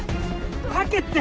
吐けって！